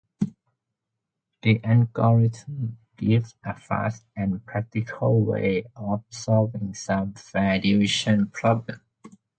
The algorithm gives a fast and practical way of solving some fair division problems.